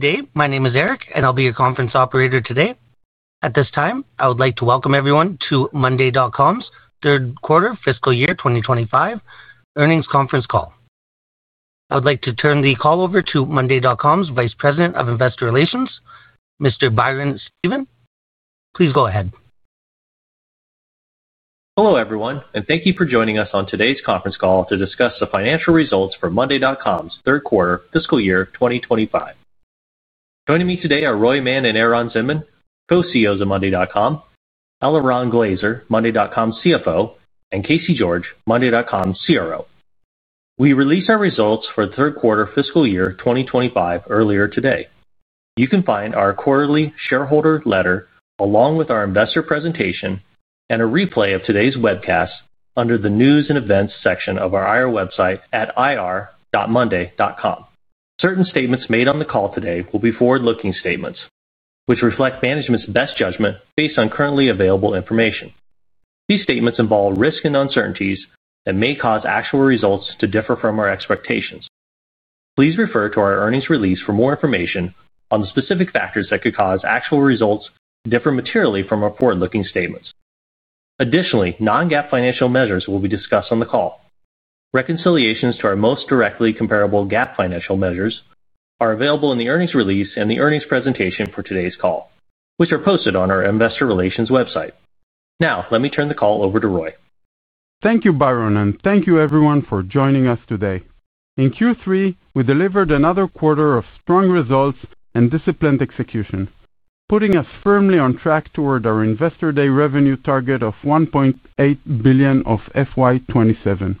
Good day. My name is Eric, and I'll be your conference operator today. At this time, I would like to welcome everyone to monday.com's Third Quarter Fiscal Year 2025 Earnings Conference Call. I would like to turn the call over to monday.com's Vice President of Investor Relations, Mr. Byron Stephen. Please go ahead. Hello everyone, and thank you for joining us on today's conference call to discuss the financial results for monday.com's third quarter fiscal year 2025. Joining me today are Roy Mann and Eran Zinman, Co-CEOs of monday.com, Eliran Glazer, monday.com CFO, and Casey George, monday.com CRO. We released our results for the third quarter fiscal year 2025 earlier today. You can find our quarterly shareholder letter along with our investor presentation and a replay of today's webcast under the news and events section of our IR website at irmonday.com. Certain statements made on the call today will be forward-looking statements, which reflect management's best judgment based on currently available information. These statements involve risk and uncertainties that may cause actual results to differ from our expectations. Please refer to our earnings release for more information on the specific factors that could cause actual results to differ materially from our forward-looking statements. Additionally, non-GAAP financial measures will be discussed on the call. Reconciliations to our most directly comparable GAAP financial measures are available in the earnings release and the earnings presentation for today's call, which are posted on our investor relations website. Now, let me turn the call over to Roy. Thank you, Byron, and thank you everyone for joining us today. In Q3, we delivered another quarter of strong results and disciplined execution, putting us firmly on track toward our investor day revenue target of $1.8 billion for FY2027.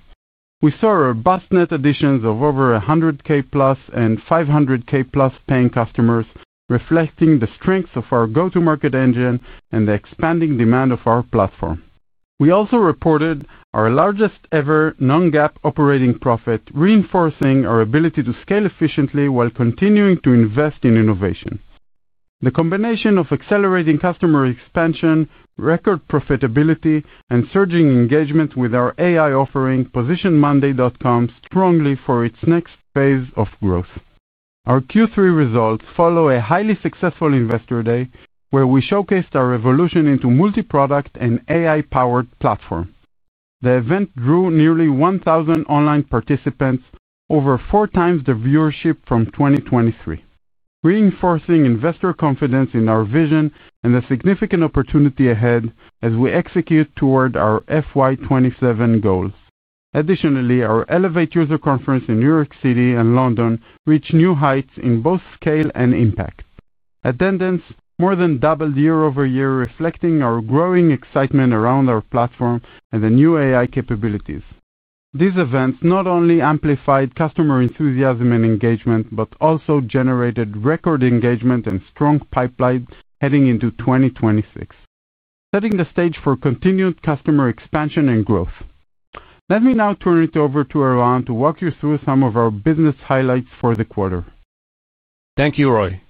We saw robust net additions of over 100,000 plus and 500,000 plus paying customers, reflecting the strengths of our go-to-market engine and the expanding demand of our platform. We also reported our largest ever non-GAAP operating profit, reinforcing our ability to scale efficiently while continuing to invest in innovation. The combination of accelerating customer expansion, record profitability, and surging engagement with our AI offering positioned monday.com strongly for its next phase of growth. Our Q3 results follow a highly successful investor day, where we showcased our evolution into a multi-product and AI-powered platform. The event drew nearly 1,000 online participants, over four times the viewership from 2023, reinforcing investor confidence in our vision and the significant opportunity ahead as we execute toward our FY27 goals. Additionally, our Elevate User Conference in New York City and London reached new heights in both scale and impact. Attendance more than doubled year over year, reflecting our growing excitement around our platform and the new AI capabilities. These events not only amplified customer enthusiasm and engagement but also generated record engagement and strong pipeline heading into 2026, setting the stage for continued customer expansion and growth. Let me now turn it over to Eran to walk you through some of our business highlights for the quarter. Thank you, Roy.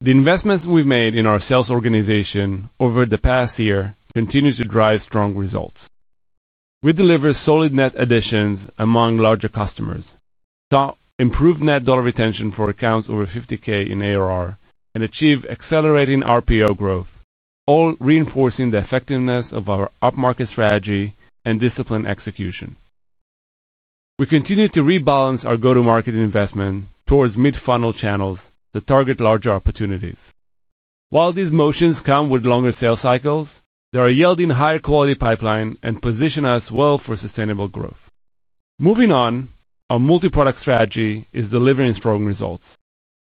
The investments we've made in our sales organization over the past year continue to drive strong results. We deliver solid net additions among larger customers, saw improved net dollar retention for accounts over $50,000 in ARR, and achieved accelerating RPO growth, all reinforcing the effectiveness of our up-market strategy and disciplined execution. We continue to rebalance our go-to-market investment towards mid-funnel channels to target larger opportunities. While these motions come with longer sales cycles, they are yielding higher quality pipeline and position us well for sustainable growth. Moving on, our multi-product strategy is delivering strong results,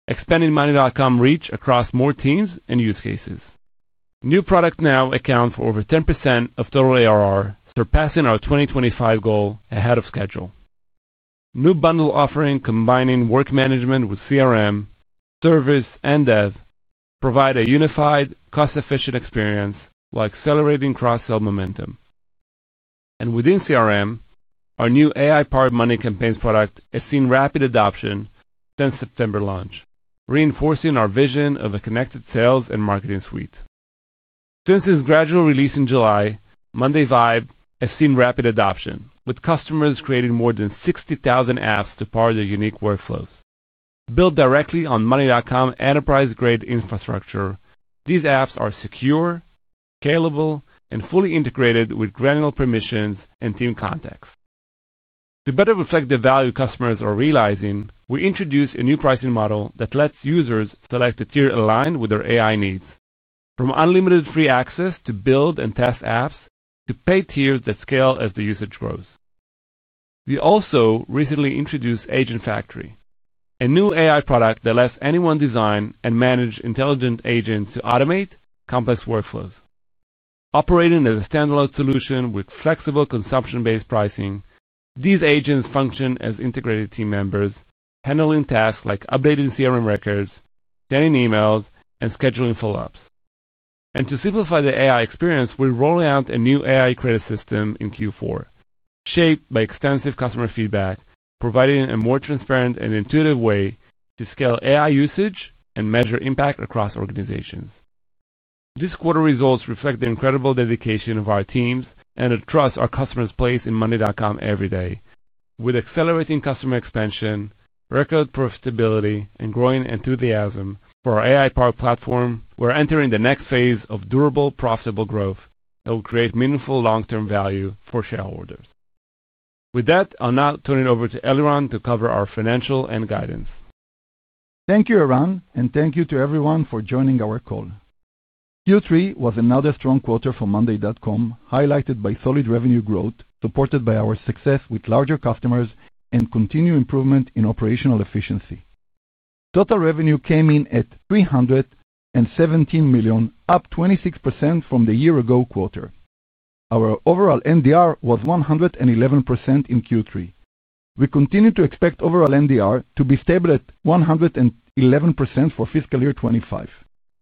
expanding monday.com reach across more teams and use cases. New product now accounts for over 10% of total ARR, surpassing our 2025 goal ahead of schedule. New bundle offering combining Work Management with CRM, Service, and Dev provides a unified, cost-efficient experience while accelerating cross-sell momentum. Within CRM, our new AI-powered Monday Campaigns product has seen rapid adoption since September launch, reinforcing our vision of a connected sales and marketing suite. Since its gradual release in July, Monday Vibe has seen rapid adoption, with customers creating more than 60,000 apps to power their unique workflows. Built directly on monday.com enterprise-grade infrastructure, these apps are secure, scalable, and fully integrated with granular permissions and team context. To better reflect the value customers are realizing, we introduced a new pricing model that lets users select a tier aligned with their AI needs, from unlimited free access to build and test apps to paid tiers that scale as the usage grows. We also recently introduced Agent Factory, a new AI product that lets anyone design and manage intelligent agents to automate complex workflows. Operating as a standalone solution with flexible consumption-based pricing, these agents function as integrated team members, handling tasks like updating CRM records, sending emails, and scheduling follow-ups. To simplify the AI experience, we're rolling out a new AI credit system in Q4, shaped by extensive customer feedback, providing a more transparent and intuitive way to scale AI usage and measure impact across organizations. This quarter results reflect the incredible dedication of our teams and the trust our customers place in monday.com every day. With accelerating customer expansion, record profitability, and growing enthusiasm for our AI-powered platform, we're entering the next phase of durable, profitable growth that will create meaningful long-term value for shareholders. With that, I'll now turn it over to Eliran to cover our financial and guidance. Thank you, Eran, and thank you to everyone for joining our call. Q3 was another strong quarter for monday.com, highlighted by solid revenue growth supported by our success with larger customers and continued improvement in operational efficiency. Total revenue came in at $317 million, up 26% from the year-ago quarter. Our overall NDR was 111% in Q3. We continue to expect overall NDR to be stable at 111% for fiscal year 2025.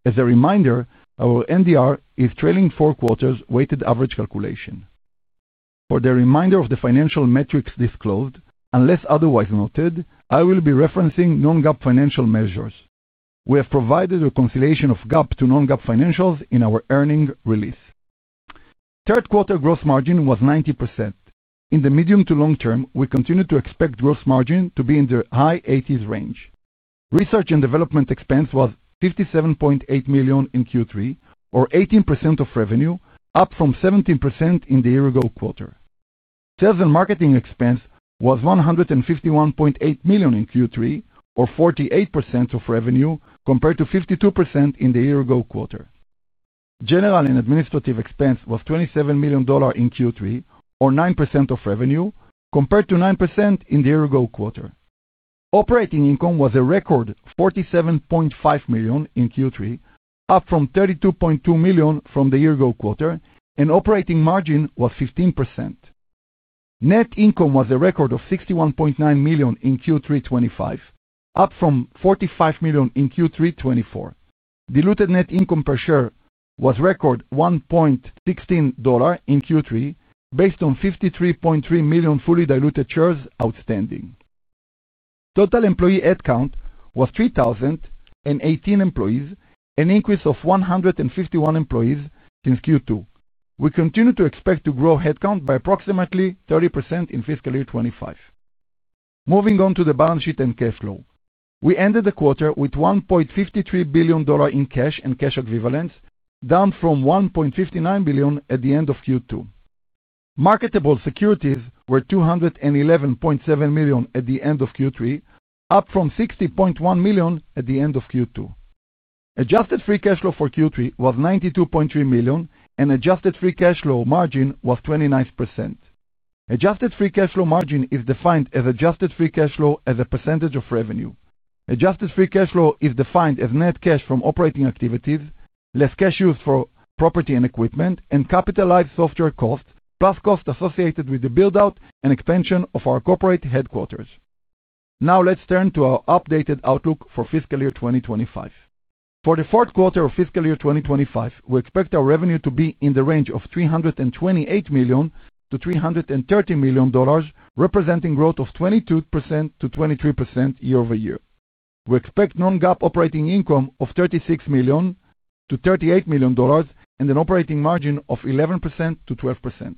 As a reminder, our NDR is trailing four quarters weighted average calculation. For the reminder of the financial metrics disclosed, unless otherwise noted, I will be referencing non-GAAP financial measures. We have provided reconciliation of GAAP to non-GAAP financials in our earnings release. Third quarter gross margin was 90%. In the medium to long term, we continue to expect gross margin to be in the high 80s range. Research and development expense was $57.8 million in Q3, or 18% of revenue, up from 17% in the year-ago quarter. Sales and marketing expense was $151.8 million in Q3, or 48% of revenue, compared to 52% in the year-ago quarter. General and administrative expense was $27 million in Q3, or 9% of revenue, compared to 9% in the year-ago quarter. Operating income was a record $47.5 million in Q3, up from $32.2 million from the year-ago quarter, and operating margin was 15%. Net income was a record of $61.9 million in Q3 2025, up from $45 million in Q3 2024. Diluted net income per share was record $1.16 in Q3, based on 53.3 million fully diluted shares outstanding. Total employee headcount was 3,018 employees, an increase of 151 employees since Q2. We continue to expect to grow headcount by approximately 30% in fiscal year 2025. Moving on to the balance sheet and cash flow. We ended the quarter with $1.53 billion in cash and cash equivalents, down from $1.59 billion at the end of Q2. Marketable securities were $211.7 million at the end of Q3, up from $60.1 million at the end of Q2. Adjusted free cash flow for Q3 was $92.3 million, and adjusted free cash flow margin was 29%. Adjusted free cash flow margin is defined as adjusted free cash flow as a percentage of revenue. Adjusted free cash flow is defined as net cash from operating activities, less cash used for property and equipment, and capitalized software cost, plus cost associated with the build-out and expansion of our corporate headquarters. Now let's turn to our updated outlook for fiscal year 2025. For the fourth quarter of fiscal year 2025, we expect our revenue to be in the range of $328 million to $330 million, representing growth of 22% to 23% year over year. We expect non-GAAP operating income of $36 million to $38 million, and an operating margin of 11% to 12%.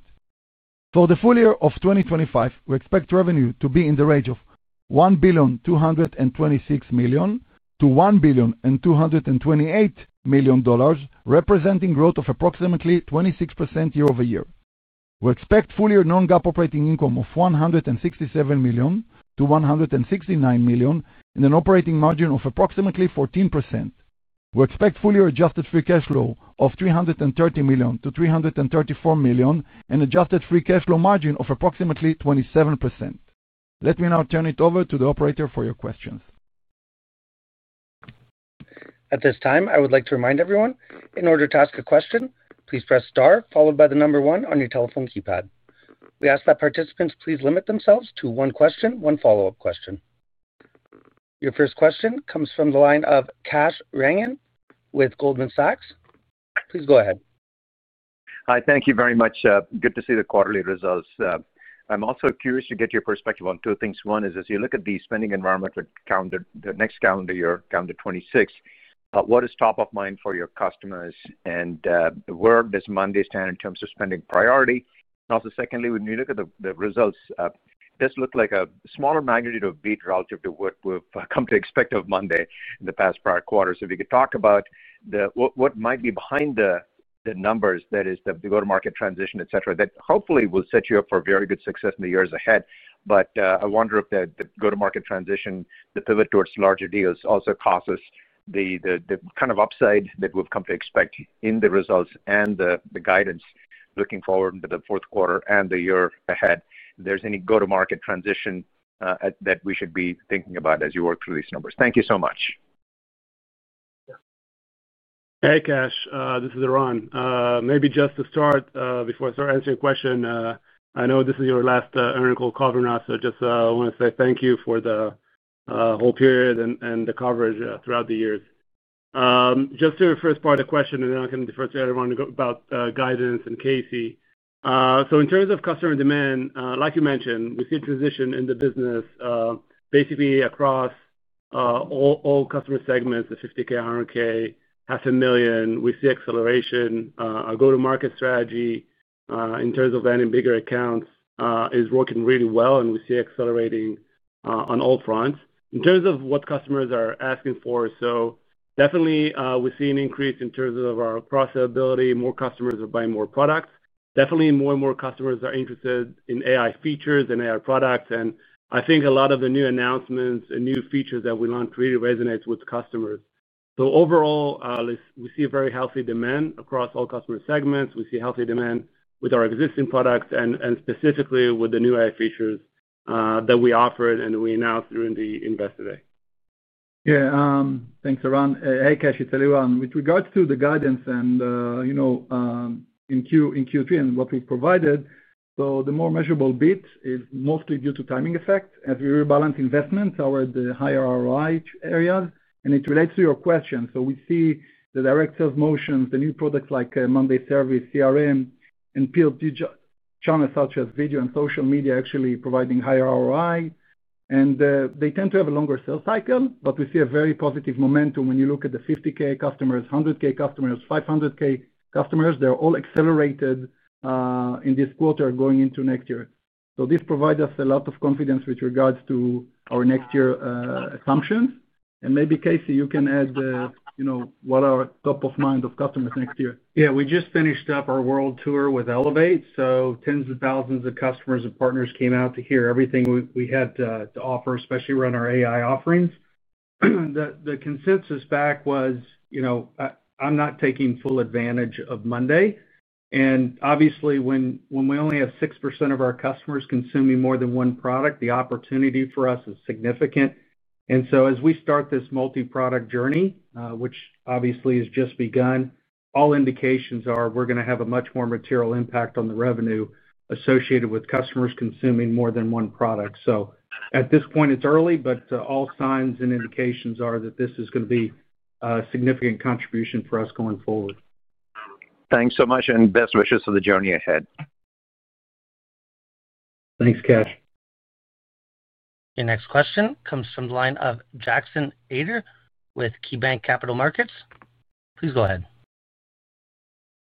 For the full year of 2025, we expect revenue to be in the range of $1,226 million to $1,228 million, representing growth of approximately 26% year over year. We expect full year non-GAAP operating income of $167 million to $169 million, and an operating margin of approximately 14%. We expect full year adjusted free cash flow of $330 million to $334 million, and adjusted free cash flow margin of approximately 27%. Let me now turn it over to the operator for your questions. At this time, I would like to remind everyone, in order to ask a question, please press star, followed by the number one on your telephone keypad. We ask that participants please limit themselves to one question, one follow-up question. Your first question comes from the line of Kash Rangan with Goldman Sachs. Please go ahead. Hi, thank you very much. Good to see the quarterly results. I'm also curious to get your perspective on two things. One is, as you look at the spending environment for the next calendar year, calendar 2026, what is top of mind for your customers, and where does Monday stand in terms of spending priority? Also, secondly, when you look at the results, it does look like a smaller magnitude of beat relative to what we've come to expect of Monday in the past prior quarters. If you could talk about what might be behind the numbers, that is, the go-to-market transition, etc., that hopefully will set you up for very good success in the years ahead. I wonder if the go-to-market transition, the pivot towards larger deals, also causes the kind of upside that we've come to expect in the results and the guidance looking forward to the fourth quarter and the year ahead. If there's any go-to-market transition that we should be thinking about as you work through these numbers. Thank you so much. Hey, Kash. This is Eran. Maybe just to start, before I start answering your question, I know this is your last interview call at covering us, so I just want to say thank you for the whole period and the coverage throughout the years. Just to your first part of the question, and then I can defer to everyone about guidance and Casey. In terms of customer demand, like you mentioned, we see a transition in the business basically across all customer segments, the $50,000, $100,000, $500,000. We see acceleration. Our go-to-market strategy, in terms of adding bigger accounts, is working really well, and we see accelerating on all fronts. In terms of what customers are asking for, definitely we see an increase in terms of our cross-ability. More customers are buying more products. Definitely, more and more customers are interested in AI features and AI products. I think a lot of the new announcements and new features that we launched really resonate with customers. Overall, we see very healthy demand across all customer segments. We see healthy demand with our existing products and specifically with the new AI features that we offered and we announced during the Investor Day. Yeah, thanks, Eran. Hey, Kash, it's Eliran. With regards to the guidance and in Q3 and what we provided, the more measurable beat is mostly due to timing effect. As we rebalance investments, our higher ROI areas, and it relates to your question. We see the direct sales motions, the new products like Monday Service, CRM, and channels such as video and social media actually providing higher ROI. They tend to have a longer sales cycle, but we see very positive momentum when you look at the $50,000 customers, $100,000 customers, $500,000 customers. They're all accelerated in this quarter going into next year. This provides us a lot of confidence with regards to our next year assumptions. Maybe, Casey, you can add what are top of mind of customers next year. Yeah, we just finished up our world tour with Elevate. Tens of thousands of customers and partners came out to hear everything we had to offer, especially around our AI offerings. The consensus back was, "I'm not taking full advantage of Monday." Obviously, when we only have 6% of our customers consuming more than one product, the opportunity for us is significant. As we start this multi-product journey, which obviously has just begun, all indications are we're going to have a much more material impact on the revenue associated with customers consuming more than one product. At this point, it's early, but all signs and indications are that this is going to be a significant contribution for us going forward. Thanks so much, and best wishes for the journey ahead. Thanks, Kash. Okay, next question comes from the line of Jackson Ader with KeyBanc Capital Markets. Please go ahead.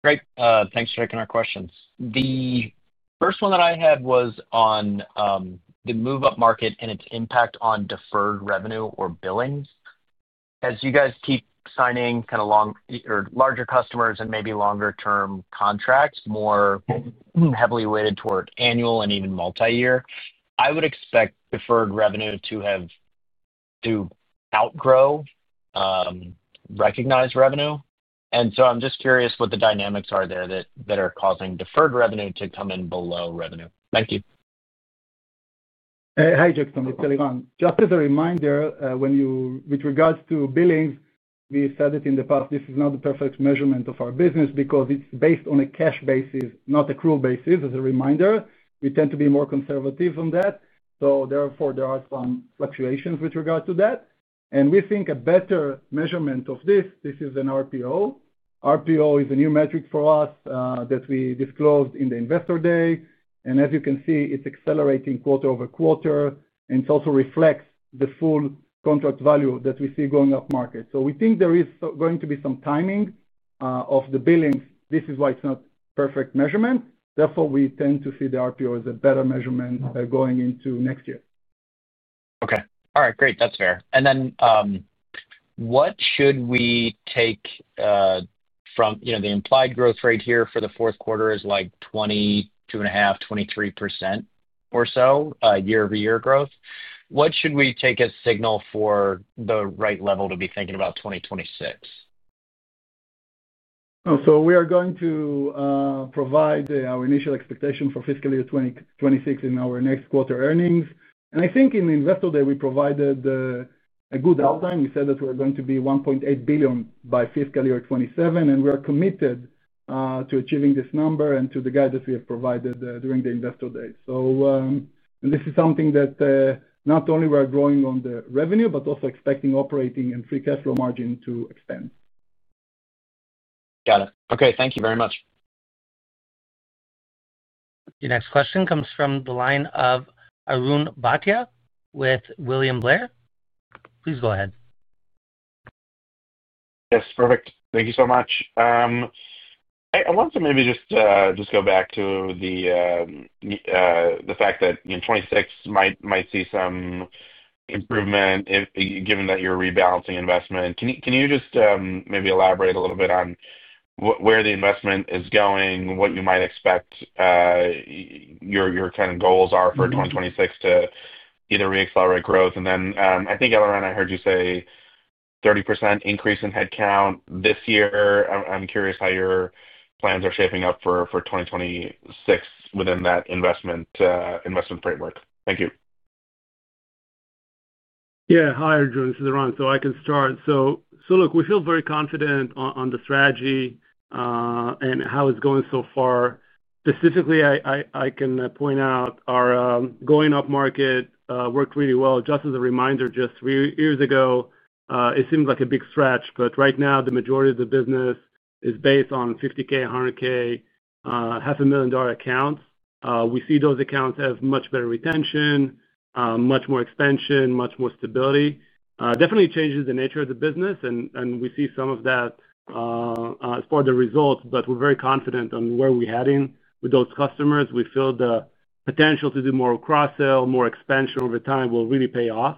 Great. Thanks for taking our questions. The first one that I had was on the move-up market and its impact on deferred revenue or billing. As you guys keep signing kind of long or larger customers and maybe longer-term contracts, more heavily weighted toward annual and even multi-year, I would expect deferred revenue to outgrow recognized revenue. I am just curious what the dynamics are there that are causing deferred revenue to come in below revenue. Thank you. Hey, hi, Jackson. It's Eliran. Just as a reminder, with regards to billing, we said it in the past, this is not the perfect measurement of our business because it's based on a cash basis, not accrual basis. As a reminder, we tend to be more conservative on that. Therefore, there are some fluctuations with regard to that. We think a better measurement of this, this is an RPO. RPO is a new metric for us that we disclosed in the Investor Day. As you can see, it's accelerating quarter over quarter, and it also reflects the full contract value that we see going up market. We think there is going to be some timing of the billings. This is why it's not a perfect measurement. Therefore, we tend to see the RPO as a better measurement going into next year. Okay. All right, great. That's fair. What should we take from the implied growth rate here for the fourth quarter? Is like 22.5%, 23% or so, year-over-year growth. What should we take as a signal for the right level to be thinking about 2026? We are going to provide our initial expectation for fiscal year 2026 in our next quarter earnings. I think in the Investor Day, we provided a good outline. We said that we're going to be $1.8 billion by fiscal year 2027, and we are committed to achieving this number and to the guidance we have provided during the Investor Day. This is something that not only we are growing on the revenue, but also expecting operating and free cash flow margin to expand. Got it. Okay, thank you very much. Okay, next question comes from the line of Arjun Bhatia with William Blair. Please go ahead. Yes, perfect. Thank you so much. I want to maybe just go back to the fact that in 2026, might see some improvement given that you're rebalancing investment. Can you just maybe elaborate a little bit on where the investment is going, what you might expect your kind of goals are for 2026 to either re-accelerate growth? I think, Eliran, I heard you say 30% increase in headcount this year. I'm curious how your plans are shaping up for 2026 within that investment framework. Thank you. Yeah, hi, everyone. This is Eran. I can start. Look, we feel very confident on the strategy and how it's going so far. Specifically, I can point out our going-up market worked really well. Just as a reminder, just three years ago, it seemed like a big stretch, but right now, the majority of the business is based on $50,000, $100,000, $500,000 accounts. We see those accounts have much better retention, much more expansion, much more stability. Definitely changes the nature of the business, and we see some of that as far as the results, but we're very confident on where we're heading with those customers. We feel the potential to do more cross-sale, more expansion over time will really pay off.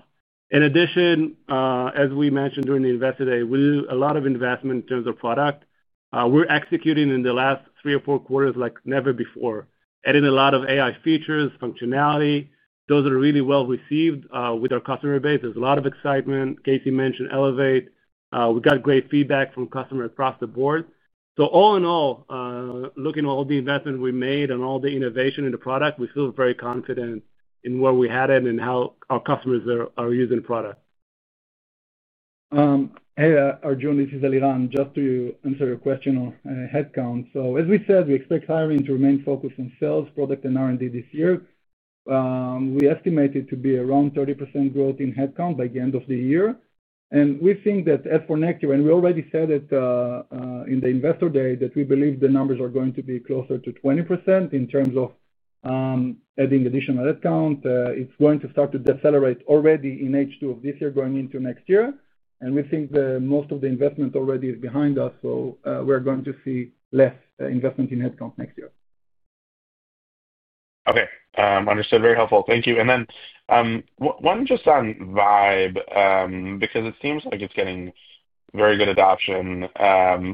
In addition, as we mentioned during the Investor Day, we do a lot of investment in terms of product. We're executing in the last three or four quarters like never before, adding a lot of AI features, functionality. Those are really well received with our customer base. There's a lot of excitement. Casey mentioned Elevate. We got great feedback from customers across the board. All in all, looking at all the investment we made and all the innovation in the product, we feel very confident in where we're headed and how our customers are using the product. Hey, Arjun, this is Eliran. Just to answer your question on headcount. As we said, we expect hiring to remain focused on sales, product, and R&D this year. We estimate it to be around 30% growth in headcount by the end of the year. We think that as for next year, and we already said it in the Investor Day, we believe the numbers are going to be closer to 20% in terms of adding additional headcount. It is going to start to decelerate already in H2 of this year going into next year. We think most of the investment already is behind us, so we are going to see less investment in headcount next year. Okay. Understood. Very helpful. Thank you. And then one just on Vibe, because it seems like it's getting very good adoption,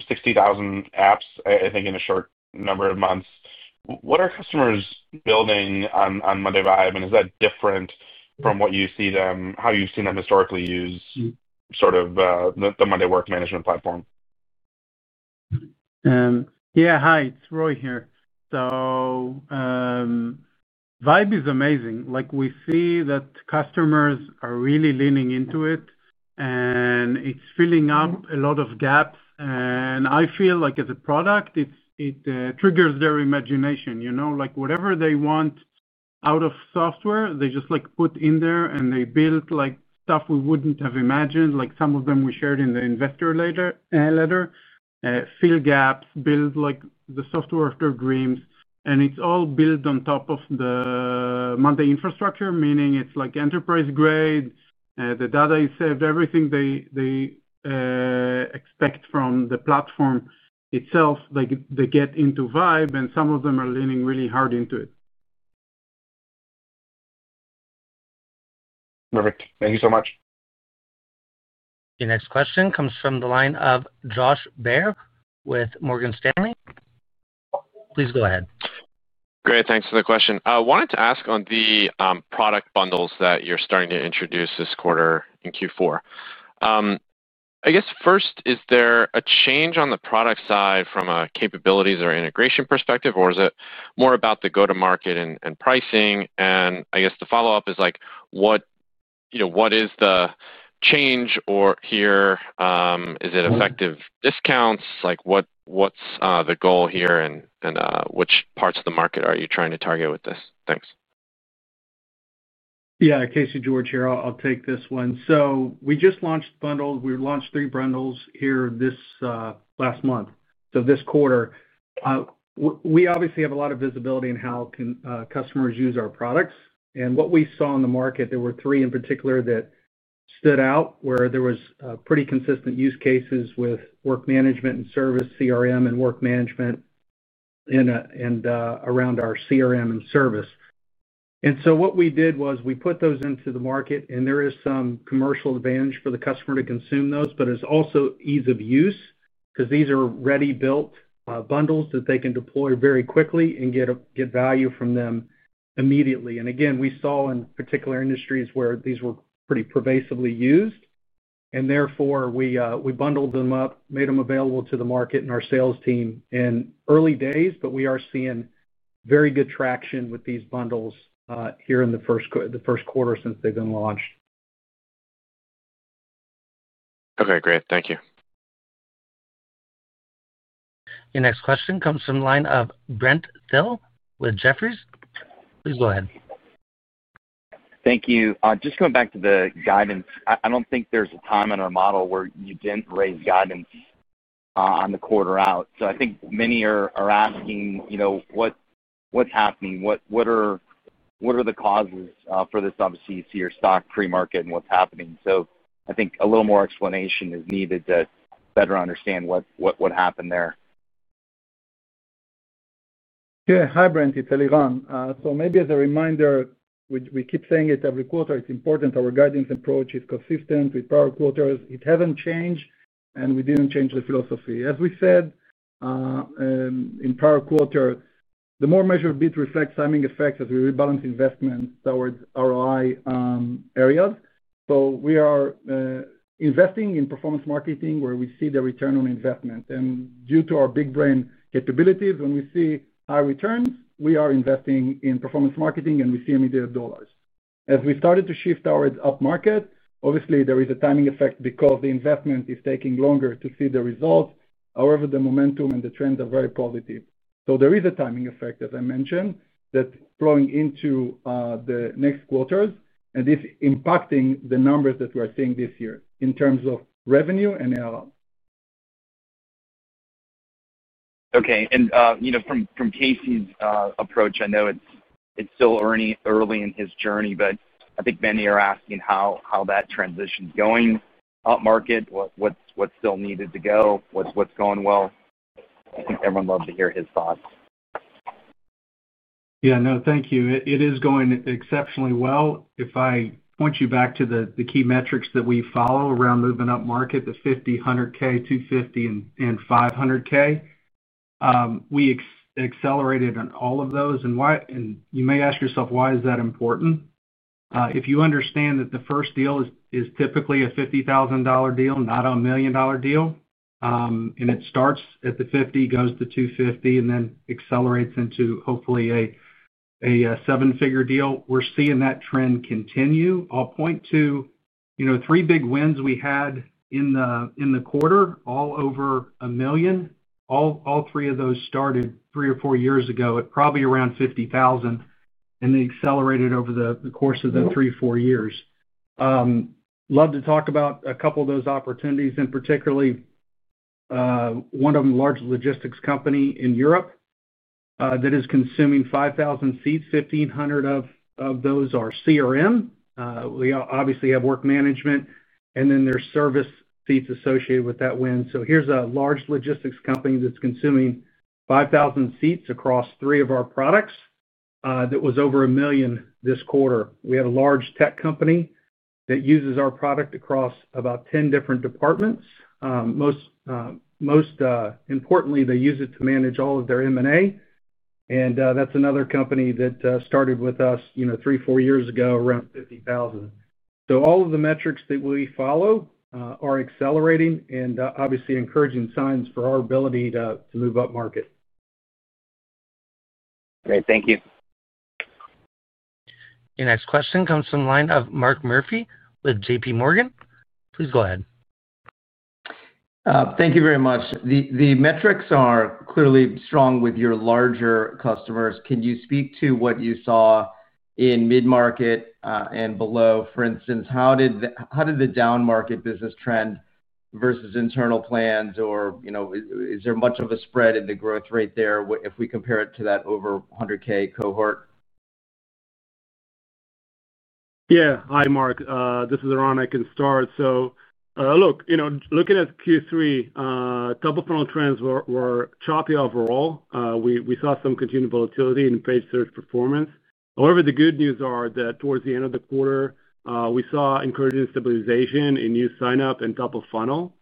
60,000 apps, I think, in a short number of months. What are customers building on Monday Vibe, and is that different from what you see them, how you've seen them historically use sort of the Monday work management platform? Yeah, hi, it's Roy here. Vibe is amazing. We see that customers are really leaning into it, and it's filling up a lot of gaps. I feel like as a product, it triggers their imagination. Whatever they want out of software, they just put in there, and they build stuff we wouldn't have imagined. Like some of them we shared in the Investor Day letter, fill gaps, build the software of their dreams. It's all built on top of the Monday infrastructure, meaning it's enterprise-grade. The data is saved, everything they expect from the platform itself, they get into Vibe, and some of them are leaning really hard into it. Perfect. Thank you so much. Okay, next question comes from the line of Josh Baer with Morgan Stanley. Please go ahead. Great. Thanks for the question. I wanted to ask on the product bundles that you're starting to introduce this quarter in Q4. I guess first, is there a change on the product side from a capabilities or integration perspective, or is it more about the go-to-market and pricing? I guess the follow-up is, what is the change here? Is it effective discounts? What's the goal here, and which parts of the market are you trying to target with this? Thanks. Yeah, Casey George here. I'll take this one. We just launched bundles. We launched three bundles here last month, so this quarter. We obviously have a lot of visibility in how customers use our products. What we saw in the market, there were three in particular that stood out where there were pretty consistent use cases with Work Management and Service, CRM and Work Management, and around our CRM and Service. What we did was we put those into the market, and there is some commercial advantage for the customer to consume those, but it's also ease of use because these are ready-built bundles that they can deploy very quickly and get value from them immediately. We saw in particular industries where these were pretty pervasively used, and therefore, we bundled them up, made them available to the market and our sales team in early days, but we are seeing very good traction with these bundles here in the first quarter since they've been launched. Okay, great. Thank you. Okay, next question comes from the line of Brent Thill with Jefferies. Please go ahead. Thank you. Just going back to the guidance, I don't think there's a time in our model where you didn't raise guidance on the quarter out. I think many are asking what's happening? What are the causes for this obviously to see your stock pre-market and what's happening? I think a little more explanation is needed to better understand what happened there. Yeah, hi, Brent. It's Eliran. Maybe as a reminder, we keep saying it every quarter, it's important our guidance approach is consistent with prior quarters. It hasn't changed, and we didn't change the philosophy. As we said in prior quarter, the more measured bid reflects timing effects as we rebalance investments towards ROI areas. We are investing in performance marketing where we see the return on investment. Due to our big brain capabilities, when we see high returns, we are investing in performance marketing, and we see immediate dollars. As we started to shift towards up market, obviously, there is a timing effect because the investment is taking longer to see the results. However, the momentum and the trends are very positive. There is a timing effect, as I mentioned, that's flowing into the next quarters, and it's impacting the numbers that we're seeing this year in terms of revenue and ARR. Okay. From Casey's approach, I know it's still early in his journey, but I think many are asking how that transition is going up market, what's still needed to go, what's going well. I think everyone loves to hear his thoughts. Yeah, no, thank you. It is going exceptionally well. If I point you back to the key metrics that we follow around moving up market, the $50,000, $100,000, $250,000, and $500,000, we accelerated on all of those. You may ask yourself, why is that important? If you understand that the first deal is typically a $50,000 deal, not a million-dollar deal, and it starts at the $50,000, goes to $250,000, and then accelerates into hopefully a seven-figure deal, we're seeing that trend continue. I'll point to three big wins we had in the quarter, all over $1 million. All three of those started three or four years ago at probably around $50,000, and they accelerated over the course of the three or four years. Love to talk about a couple of those opportunities, and particularly one of them, a large logistics company in Europe that is consuming 5,000 seats. 1,500 of those are CRM. We obviously have work management, and then there's service seats associated with that win. Here's a large logistics company that's consuming 5,000 seats across three of our products that was over $1 million this quarter. We have a large tech company that uses our product across about 10 different departments. Most importantly, they use it to manage all of their M&A. That's another company that started with us three, four years ago, around $50,000. All of the metrics that we follow are accelerating and obviously encouraging signs for our ability to move up market. Great. Thank you. Okay, next question comes from the line of Mark Murphy with JPMorgan. Please go ahead. Thank you very much. The metrics are clearly strong with your larger customers. Can you speak to what you saw in mid-market and below? For instance, how did the down market business trend versus internal plans, or is there much of a spread in the growth rate there if we compare it to that over $100,000 cohort? Yeah. Hi, Mark. This is Eran. I can start. Look, looking at Q3, top-of-funnel trends were choppy overall. We saw some continued volatility in paid search performance. However, the good news is that towards the end of the quarter, we saw encouraging stabilization in new sign-up and top-of-funnel.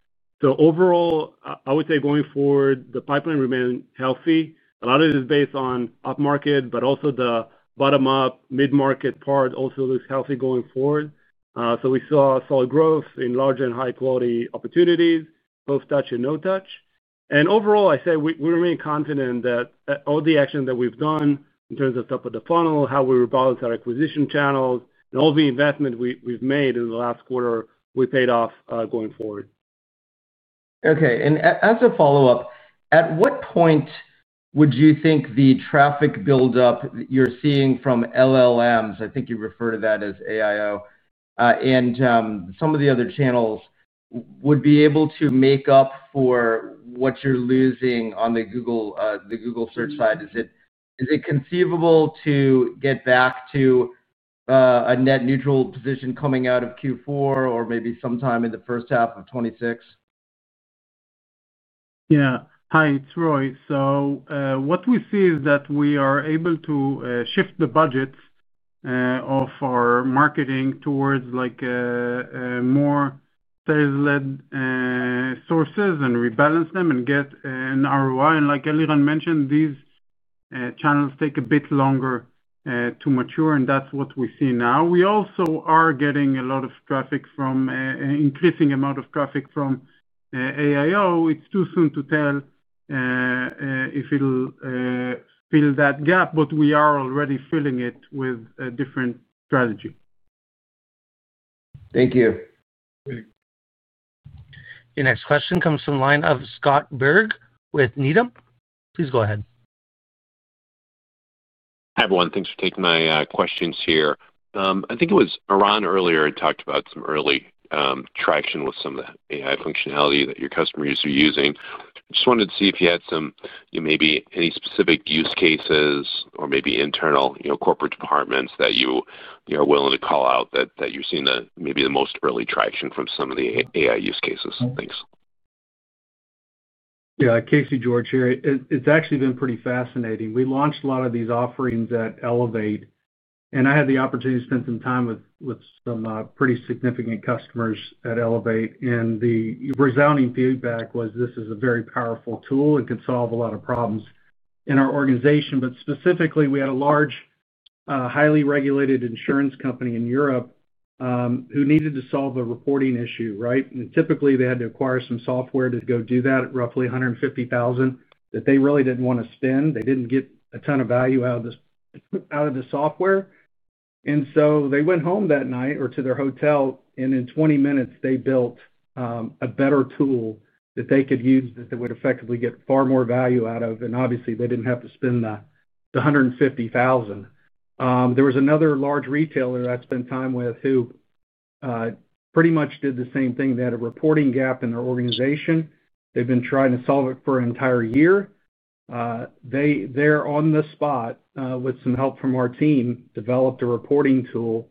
Overall, I would say going forward, the pipeline remained healthy. A lot of it is based on up market, but also the bottom-up mid-market part also looks healthy going forward. We saw solid growth in large and high-quality opportunities, both touch and no touch. Overall, I say we remain confident that all the actions that we've done in terms of top-of-the-funnel, how we rebalance our acquisition channels, and all the investment we've made in the last quarter will pay off going forward. Okay. As a follow-up, at what point would you think the traffic buildup you are seeing from LLMs, I think you refer to that as AIO, and some of the other channels would be able to make up for what you are losing on the Google search side? Is it conceivable to get back to a net neutral position coming out of Q4 or maybe sometime in the first half of 2026? Yeah. Hi, it's Roy. What we see is that we are able to shift the budgets of our marketing towards more sales-led sources and rebalance them and get an ROI. Like Eliran mentioned, these channels take a bit longer to mature, and that's what we see now. We also are getting a lot of traffic from an increasing amount of traffic from AI. It's too soon to tell if it'll fill that gap, but we are already filling it with a different strategy. Thank you. Okay, next question comes from the line of Scott Berg with Needham. Please go ahead. Hi everyone. Thanks for taking my questions here. I think it was Eran earlier talked about some early traction with some of the AI functionality that your customers are using. Just wanted to see if you had some, maybe any specific use cases or maybe internal corporate departments that you are willing to call out that you're seeing maybe the most early traction from some of the AI use cases. Thanks. Yeah, Casey George here. It's actually been pretty fascinating. We launched a lot of these offerings at Elevate, and I had the opportunity to spend some time with some pretty significant customers at Elevate. The resounding feedback was, "This is a very powerful tool and can solve a lot of problems in our organization." Specifically, we had a large, highly regulated insurance company in Europe who needed to solve a reporting issue, right? Typically, they had to acquire some software to go do that at roughly $150,000 that they really didn't want to spend. They didn't get a ton of value out of the software. They went home that night or to their hotel, and in 20 minutes, they built a better tool that they could use that they would effectively get far more value out of. Obviously, they did not have to spend the $150,000. There was another large retailer I spent time with who pretty much did the same thing. They had a reporting gap in their organization. They have been trying to solve it for an entire year. They are on the spot with some help from our team, developed a reporting tool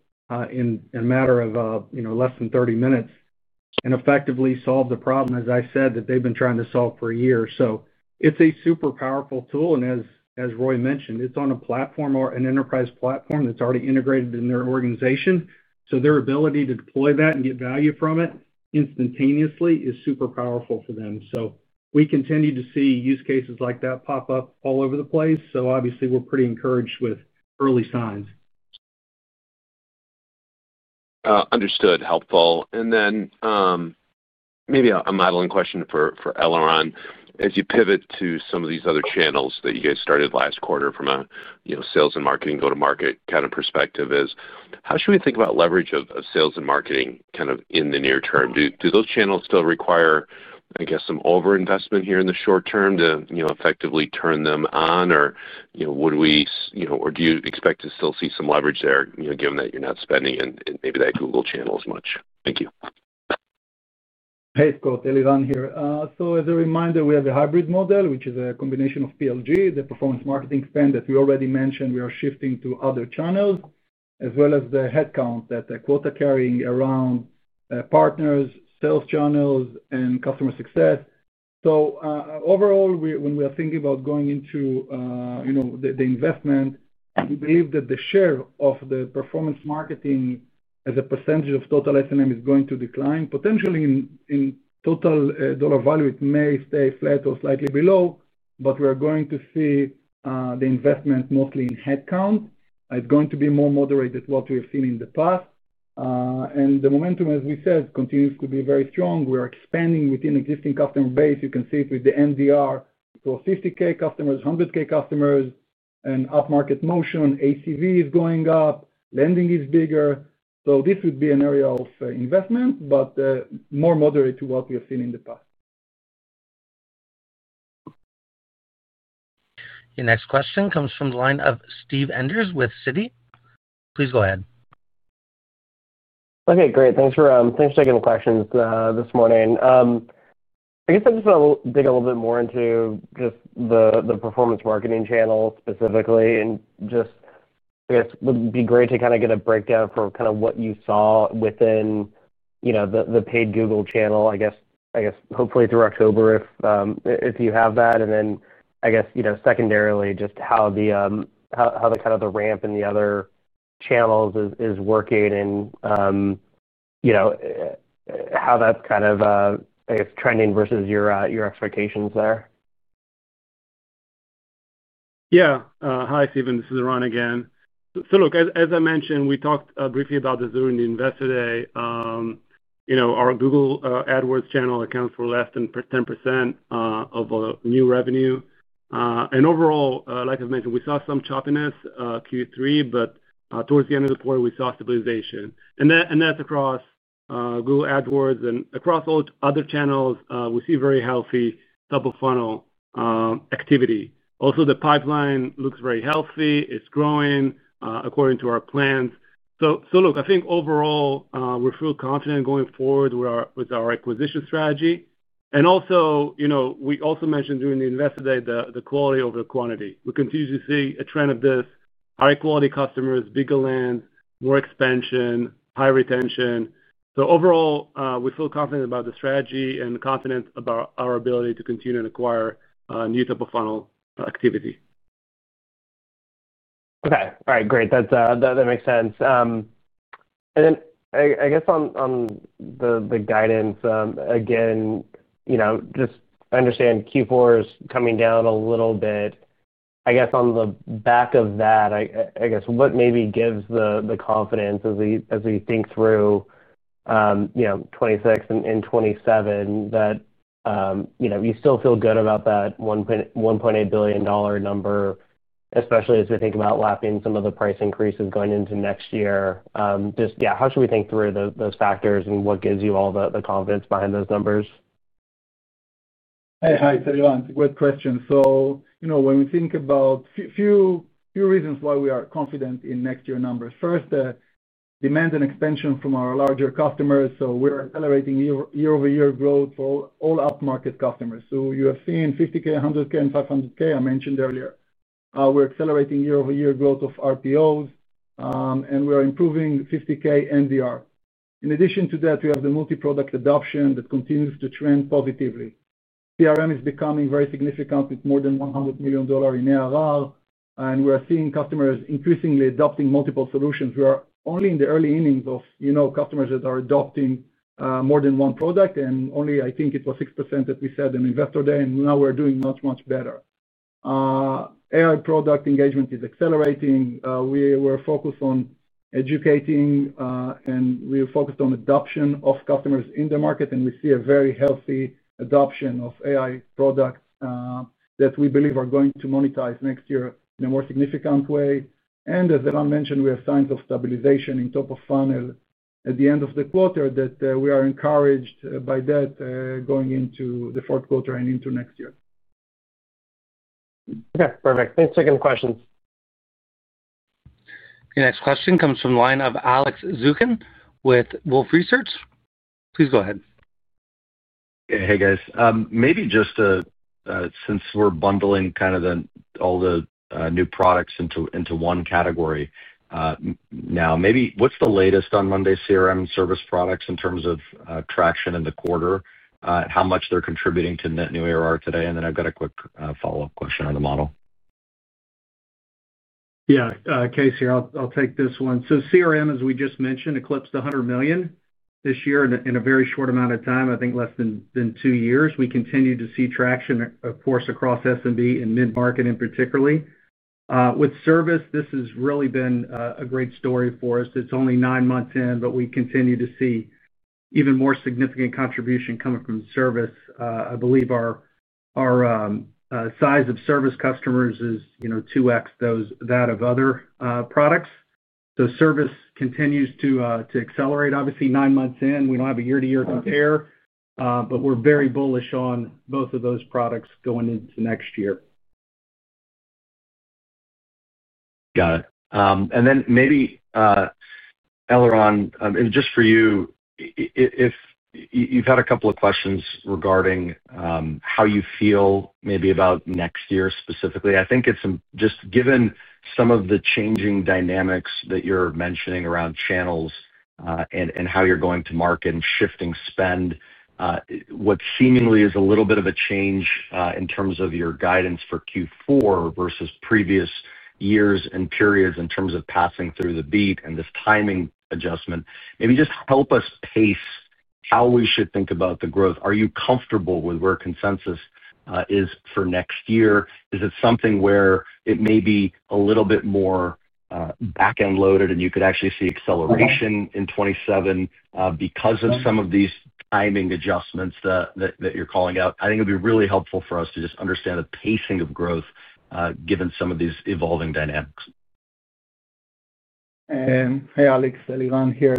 in a matter of less than 30 minutes, and effectively solved the problem, as I said, that they have been trying to solve for a year. It is a super powerful tool. As Roy mentioned, it is on a platform, an enterprise platform that is already integrated in their organization. Their ability to deploy that and get value from it instantaneously is super powerful for them. We continue to see use cases like that pop up all over the place. Obviously, we are pretty encouraged with early signs. Understood. Helpful. Maybe a modeling question for Eliran as you pivot to some of these other channels that you guys started last quarter from a sales and marketing, go-to-market kind of perspective is, how should we think about leverage of sales and marketing kind of in the near term? Do those channels still require, I guess, some over-investment here in the short term to effectively turn them on? Do you expect to still see some leverage there given that you're not spending in maybe that Google channel as much? Thank you. Hey, Scott. Eliran here. As a reminder, we have a hybrid model, which is a combination of PLG, the performance marketing spend that we already mentioned. We are shifting to other channels as well as the headcount that quota carrying around partners, sales channels, and customer success. Overall, when we are thinking about going into the investment, we believe that the share of the performance marketing as a percentage of total S&M is going to decline. Potentially, in total dollar value, it may stay flat or slightly below, but we are going to see the investment mostly in headcount. It is going to be more moderated than what we have seen in the past. The momentum, as we said, continues to be very strong. We are expanding within existing customer base. You can see it with the NDR to 50K customers, 100K customers, and up market motion. ACV is going up. Lending is bigger. This would be an area of investment, but more moderate to what we have seen in the past. Okay. Next question comes from the line of Steve Enders with Citi. Please go ahead. Okay, great. Thanks for taking the questions this morning. I guess I just want to dig a little bit more into just the performance marketing channel specifically. I guess it would be great to kind of get a breakdown for kind of what you saw within the paid Google channel, I guess, hopefully through October if you have that. Then, I guess, secondarily, just how the ramp in the other channels is working and how that's kind of, I guess, trending versus your expectations there. Yeah. Hi, Stephen. This is Eran again. Look, as I mentioned, we talked briefly about this during the Investor Day. Our Google AdWords channel accounts for less than 10% of our new revenue. Overall, like I've mentioned, we saw some choppiness Q3, but towards the end of the quarter, we saw stabilization. That is across Google AdWords and across all other channels. We see very healthy top-of-funnel activity. Also, the pipeline looks very healthy. It is growing according to our plans. I think overall, we're feeling confident going forward with our acquisition strategy. We also mentioned during the Investor Day, the quality over the quantity. We continue to see a trend of this: high-quality customers, bigger lands, more expansion, high retention. Overall, we feel confident about the strategy and confident about our ability to continue and acquire new top-of-funnel activity. Okay. All right. Great. That makes sense. I guess on the guidance, again, just understand Q4 is coming down a little bit. I guess on the back of that, I guess what maybe gives the confidence as we think through 2026 and 2027 that you still feel good about that $1.8 billion number, especially as we think about lapping some of the price increases going into next year? Just, yeah, how should we think through those factors and what gives you all the confidence behind those numbers? Hey, hi, Eliran. Good question. When we think about a few reasons why we are confident in next year numbers, first, the demand and expansion from our larger customers. We are accelerating year-over-year growth for all up-market customers. You have seen $50,000, $100,000, and $500,000. I mentioned earlier, we are accelerating year-over-year growth of RPOs, and we are improving $50,000 NDR. In addition to that, we have the multi-product adoption that continues to trend positively. CRM is becoming very significant with more than $100 million in ARR, and we are seeing customers increasingly adopting multiple solutions. We are only in the early innings of customers that are adopting more than one product, and only, I think it was 6% that we said in Investor Day, and now we are doing much, much better. AI product engagement is accelerating. We're focused on educating, and we're focused on adoption of customers in the market, and we see a very healthy adoption of AI products that we believe are going to monetize next year in a more significant way. As Eliran mentioned, we have signs of stabilization in top-of-funnel at the end of the quarter that we are encouraged by that going into the fourth quarter and into next year. Okay. Perfect. Thanks for the questions. Okay. Next question comes from the line of Alex Zukin with Wolfe Research. Please go ahead. Okay. Hey, guys. Maybe just since we're bundling kind of all the new products into one category now, maybe what's the latest on monday.com's CRM service products in terms of traction in the quarter? How much they're contributing to net new ARR today? I have a quick follow-up question on the model. Yeah. Casey, I'll take this one. So CRM, as we just mentioned, eclipsed $100 million this year in a very short amount of time, I think less than two years. We continue to see traction, of course, across SMB and mid-market in particular. With service, this has really been a great story for us. It's only nine months in, but we continue to see even more significant contribution coming from service. I believe our size of service customers has 2x'd that of other products. So service continues to accelerate. Obviously, nine months in, we don't have a year-to-year compare, but we're very bullish on both of those products going into next year. Got it. Maybe, Eliran, just for you, you've had a couple of questions regarding how you feel maybe about next year specifically. I think just given some of the changing dynamics that you're mentioning around channels and how you're going to market and shifting spend, what seemingly is a little bit of a change in terms of your guidance for Q4 versus previous years and periods in terms of passing through the beat and this timing adjustment, maybe just help us pace how we should think about the growth. Are you comfortable with where consensus is for next year? Is it something where it may be a little bit more back-end loaded and you could actually see acceleration in 2027 because of some of these timing adjustments that you're calling out? I think it'd be really helpful for us to just understand the pacing of growth given some of these evolving dynamics. Hey, Alex, Eliran here.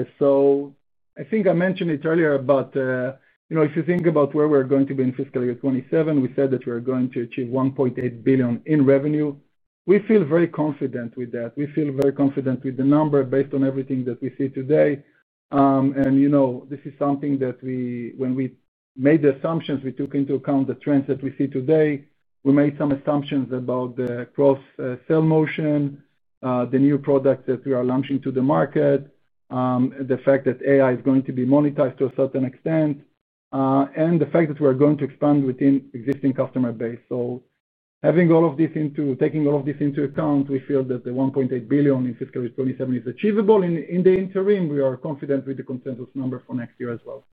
I think I mentioned it earlier, but if you think about where we're going to be in fiscal year 2027, we said that we're going to achieve $1.8 billion in revenue. We feel very confident with that. We feel very confident with the number based on everything that we see today. This is something that when we made the assumptions, we took into account the trends that we see today. We made some assumptions about the cross-sale motion, the new products that we are launching to the market, the fact that AI is going to be monetized to a certain extent, and the fact that we are going to expand within existing customer base. Having all of this, taking all of this into account, we feel that the $1.8 billion in fiscal year 2027 is achievable. In the interim, we are confident with the consensus number for next year as well.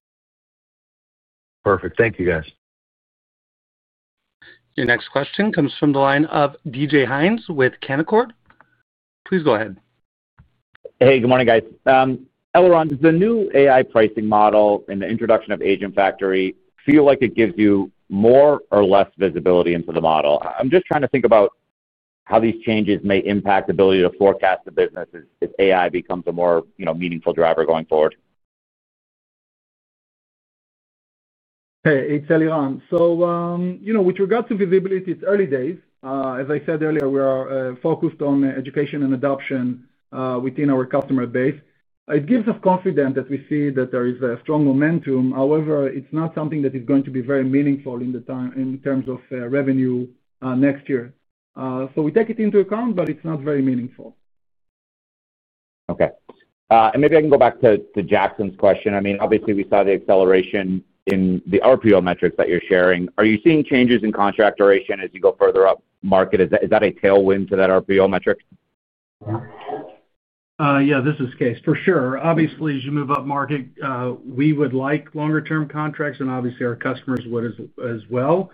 Perfect. Thank you, guys. Okay. Next question comes from the line of D.J. Hynes with Canaccord. Please go ahead. Hey, good morning, guys. Eliran, does the new AI pricing model and the introduction of Agent Factory feel like it gives you more or less visibility into the model? I'm just trying to think about how these changes may impact the ability to forecast the business if AI becomes a more meaningful driver going forward. Hey, it's Eliran. With regard to visibility, it's early days. As I said earlier, we are focused on education and adoption within our customer base. It gives us confidence that we see that there is a strong momentum. However, it's not something that is going to be very meaningful in terms of revenue next year. We take it into account, but it's not very meaningful. Okay. Maybe I can go back to Jackson's question. I mean, obviously, we saw the acceleration in the RPO metrics that you're sharing. Are you seeing changes in contract duration as you go further up market? Is that a tailwind to that RPO metric? Yeah, this is Casey for sure. Obviously, as you move up market, we would like longer-term contracts, and obviously, our customers would as well.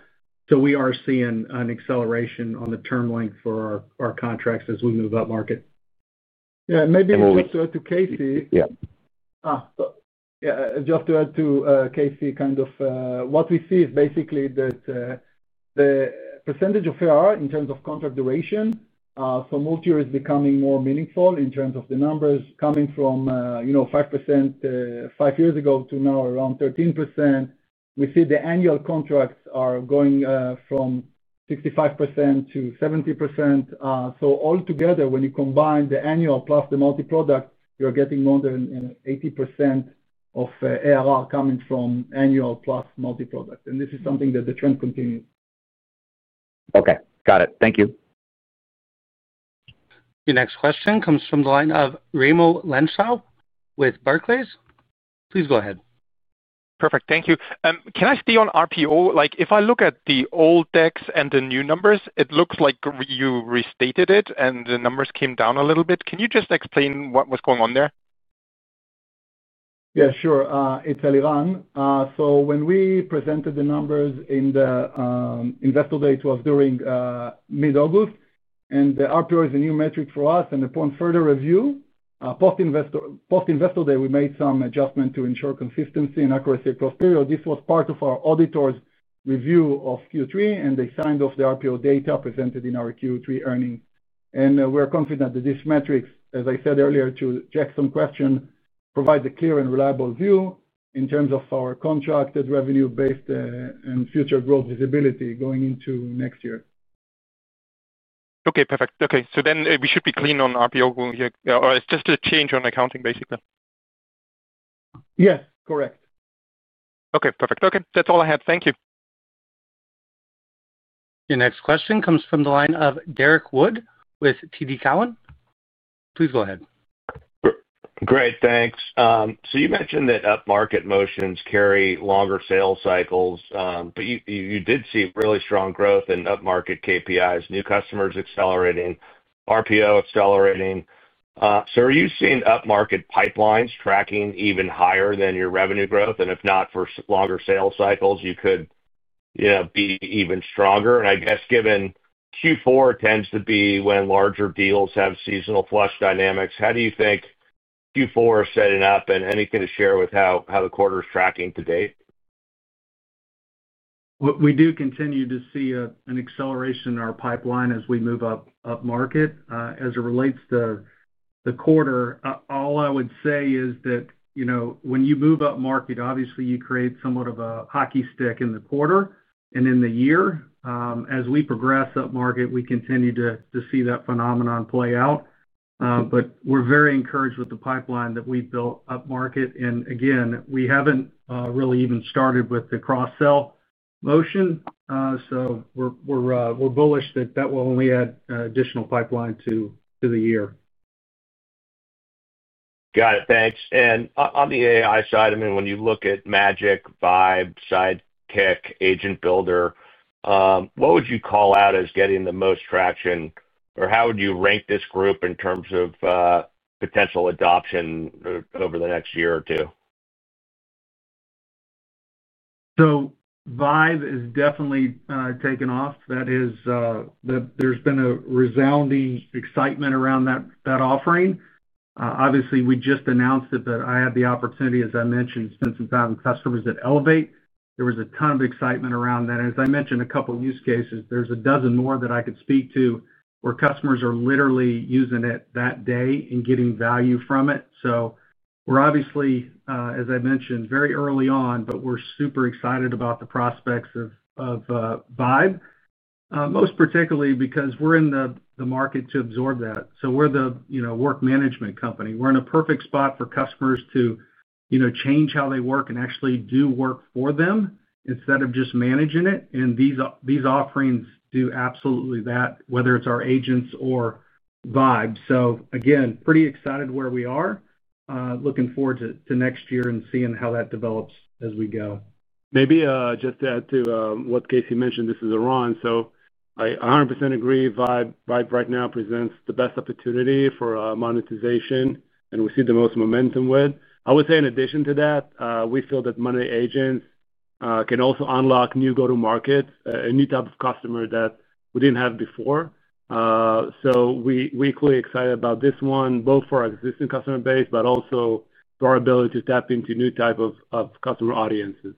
So we are seeing an acceleration on the term length for our contracts as we move up market. Yeah. Maybe just to add to Casey. Yeah. Yeah. Just to add to Casey, kind of what we see is basically that the percentage of ARR in terms of contract duration for multi-year is becoming more meaningful in terms of the numbers, coming from 5% five years ago to now around 13%. We see the annual contracts are going from 65% to 70%. Altogether, when you combine the annual plus the multi-product, you're getting more than 80% of ARR coming from annual plus multi-product. This is something that the trend continues. Okay. Got it. Thank you. Okay. Next question comes from the line of Raimo Lenschow with Barclays. Please go ahead. Perfect. Thank you. Can I stay on RPO? If I look at the old decks and the new numbers, it looks like you restated it, and the numbers came down a little bit. Can you just explain what was going on there? Yeah, sure. It's Eliran. When we presented the numbers in the Investor Day to us during mid-August, and the RPO is a new metric for us, and upon further review post-Investor Day, we made some adjustment to ensure consistency and accuracy across period. This was part of our auditor's review of Q3, and they signed off the RPO data presented in our Q3 earnings. We're confident that this metric, as I said earlier, to Jackson's question, provides a clear and reliable view in terms of our contracted revenue-based and future growth visibility going into next year. Okay. Perfect. Okay. So then we should be clean on RPO going here? Or it's just a change on accounting, basically? Yes. Correct. Okay. Perfect. Okay. That's all I have. Thank you. Okay. Next question comes from the line of Derek Wood with TD Cowen. Please go ahead. Great. Thanks. You mentioned that up-market motions carry longer sales cycles, but you did see really strong growth in up-market KPIs, new customers accelerating, RPO accelerating. Are you seeing up-market pipelines tracking even higher than your revenue growth? If not, for longer sales cycles, you could be even stronger? I guess given Q4 tends to be when larger deals have seasonal flush dynamics, how do you think Q4 is setting up, and anything to share with how the quarter is tracking to date? We do continue to see an acceleration in our pipeline as we move up market. As it relates to the quarter, all I would say is that when you move up market, obviously, you create somewhat of a hockey stick in the quarter and in the year. As we progress up market, we continue to see that phenomenon play out. We are very encouraged with the pipeline that we built up market. Again, we have not really even started with the cross-sell motion. We are bullish that that will only add additional pipeline to the year. Got it. Thanks. On the AI side, I mean, when you look at Magic, Vibe, Sidekick, Agent Builder, what would you call out as getting the most traction? How would you rank this group in terms of potential adoption over the next year or two? Vibe is definitely taking off. That is, there's been a resounding excitement around that offering. Obviously, we just announced it, but I had the opportunity, as I mentioned, to spend some time with customers at Elevate. There was a ton of excitement around that. As I mentioned, a couple of use cases. There's a dozen more that I could speak to where customers are literally using it that day and getting value from it. We're obviously, as I mentioned, very early on, but we're super excited about the prospects of Vibe, most particularly because we're in the market to absorb that. We're the work management company. We're in a perfect spot for customers to change how they work and actually do work for them instead of just managing it. These offerings do absolutely that, whether it's our agents or Vibe. Again, pretty excited where we are, looking forward to next year and seeing how that develops as we go. Maybe just to add to what Casey mentioned, this is Eliran. So I 100% agree. Vibe right now presents the best opportunity for monetization, and we see the most momentum with. I would say in addition to that, we feel that Monday agents can also unlock new go-to-markets, a new type of customer that we didn't have before. We are equally excited about this one, both for our existing customer base, but also for our ability to tap into new types of customer audiences.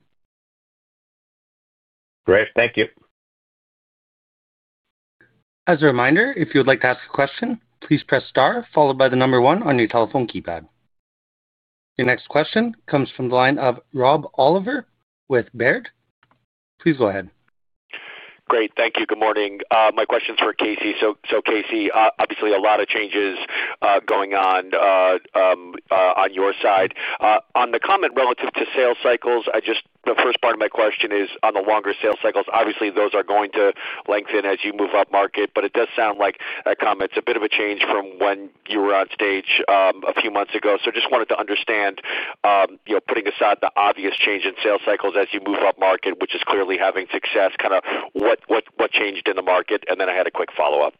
Great. Thank you. As a reminder, if you'd like to ask a question, please press star followed by the number one on your telephone keypad. Your next question comes from the line of Rob Oliver with Baird. Please go ahead. Great. Thank you. Good morning. My question's for Casey. So Casey, obviously, a lot of changes going on on your side. On the comment relative to sales cycles, the first part of my question is on the longer sales cycles. Obviously, those are going to lengthen as you move up market, but it does sound like a comment. It's a bit of a change from when you were on stage a few months ago. Just wanted to understand, putting aside the obvious change in sales cycles as you move up market, which is clearly having success, kind of what changed in the market? I had a quick follow-up.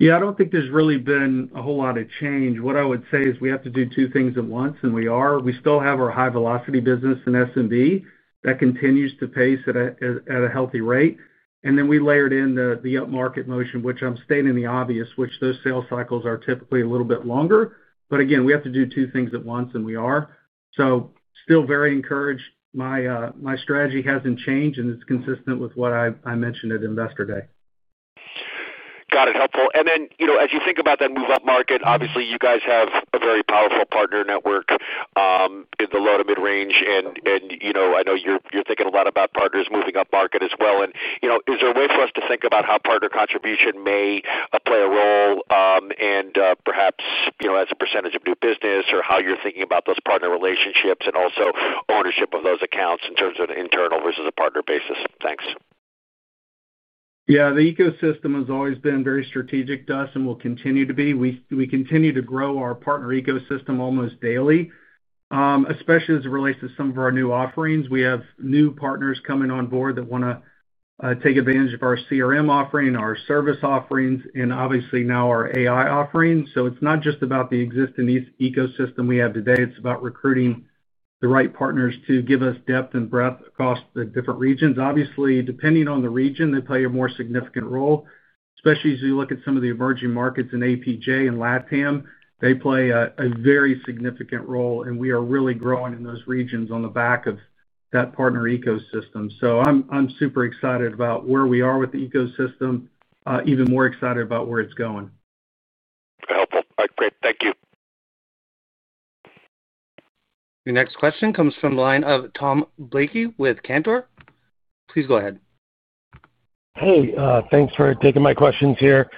Yeah. I do not think there has really been a whole lot of change. What I would say is we have to do two things at once, and we are. We still have our high-velocity business in SMB that continues to pace at a healthy rate. Then we layered in the up-market motion, which I am stating the obvious, which those sales cycles are typically a little bit longer. Again, we have to do two things at once, and we are. Still very encouraged. My strategy has not changed, and it is consistent with what I mentioned at Investor Day. Got it. Helpful. As you think about that move-up market, obviously, you guys have a very powerful partner network in the low to mid-range. I know you're thinking a lot about partners moving up market as well. Is there a way for us to think about how partner contribution may play a role and perhaps as a percentage of new business or how you're thinking about those partner relationships and also ownership of those accounts in terms of an internal versus a partner basis? Thanks. Yeah. The ecosystem has always been very strategic to us and will continue to be. We continue to grow our partner ecosystem almost daily, especially as it relates to some of our new offerings. We have new partners coming on board that want to take advantage of our CRM offering, our service offerings, and obviously now our AI offerings. It is not just about the existing ecosystem we have today. It is about recruiting the right partners to give us depth and breadth across the different regions. Obviously, depending on the region, they play a more significant role, especially as we look at some of the emerging markets in APJ and LATAM. They play a very significant role, and we are really growing in those regions on the back of that partner ecosystem. I am super excited about where we are with the ecosystem, even more excited about where it is going. Helpful. Great. Thank you. Okay. Next question comes from the line of Tom Blakey with Cantor. Please go ahead. Hey, thanks for taking my questions here.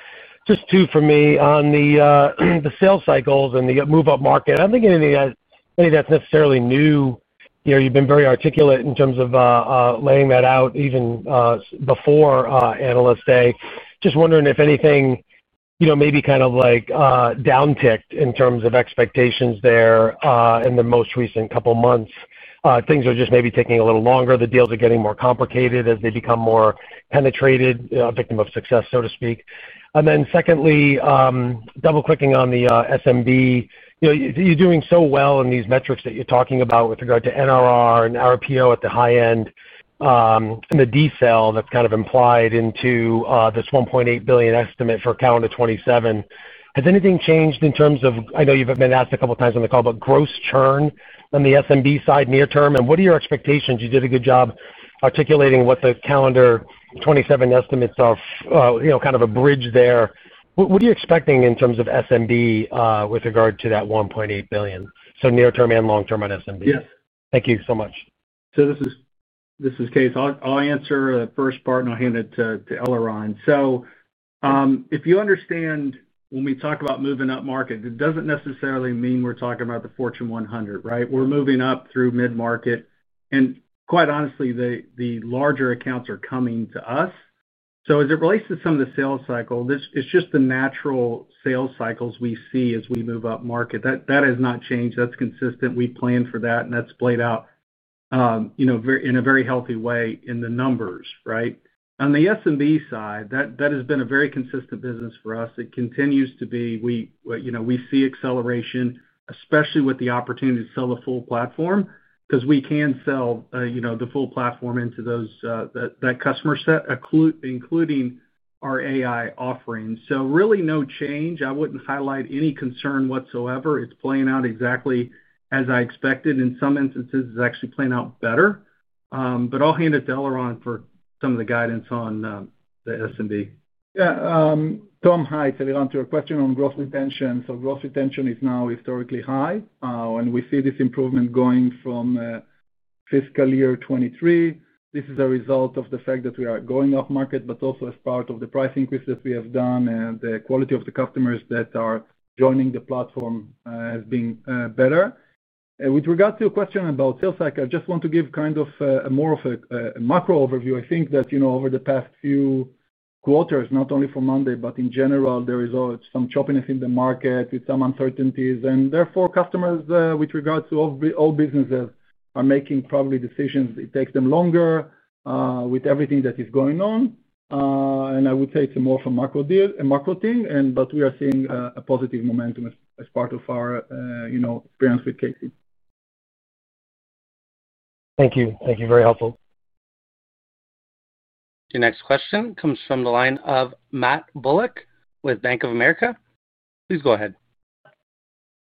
Just two for me. On the sales cycles and the move-up market, I do not think any of that is necessarily new. You have been very articulate in terms of laying that out even before Analyst Day. Just wondering if anything maybe kind of like downticked in terms of expectations there in the most recent couple of months. Things are just maybe taking a little longer. The deals are getting more complicated as they become more penetrated, a victim of success, so to speak. Secondly, double-clicking on the S&B, you are doing so well in these metrics that you are talking about with regard to NRR and RPO at the high end and the decel that is kind of implied into this $1.8 billion estimate for calendar 2027. Has anything changed in terms of—I know you've been asked a couple of times on the call—but gross churn on the SMB side near term? What are your expectations? You did a good job articulating what the calendar 2027 estimates are, kind of a bridge there. What are you expecting in terms of SMB with regard to that $1.8 billion, so near term and long term on SMB? Yes. Thank you so much. This is Case. I'll answer the first part, and I'll hand it to Eliran. If you understand, when we talk about moving up market, it does not necessarily mean we are talking about the Fortune 100, right? We are moving up through mid-market. Quite honestly, the larger accounts are coming to us. As it relates to some of the sales cycle, it is just the natural sales cycles we see as we move up market. That has not changed. That is consistent. We plan for that, and that has played out in a very healthy way in the numbers, right? On the SMB side, that has been a very consistent business for us. It continues to be. We see acceleration, especially with the opportunity to sell the full platform because we can sell the full platform into that customer set, including our AI offerings. Really no change. I wouldn't highlight any concern whatsoever. It's playing out exactly as I expected. In some instances, it's actually playing out better. I'll hand it to Eliran for some of the guidance on the SMB. Yeah. Tom Hi, Eliran, to your question on gross retention. Gross retention is now historically high, and we see this improvement going from fiscal year 2023. This is a result of the fact that we are going off market, but also as part of the price increase that we have done, and the quality of the customers that are joining the platform has been better. With regard to your question about sales cycle, I just want to give kind of more of a macro overview. I think that over the past few quarters, not only for Monday, but in general, there is some choppiness in the market with some uncertainties. Therefore, customers, with regard to all businesses, are making probably decisions. It takes them longer with everything that is going on. I would say it's more of a macro thing, but we are seeing a positive momentum as part of our experience with Casey. Thank you. Thank you. Very helpful. Okay. Next question comes from the line of Matt Bullock with Bank of America. Please go ahead.